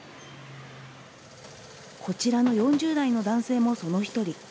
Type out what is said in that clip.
こちらの４０代の男性もその１人。